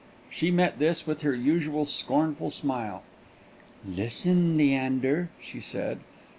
She met this with her usual scornful smile. "Listen, Leander," she said.